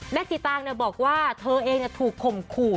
สีตางบอกว่าเธอเองถูกข่มขู่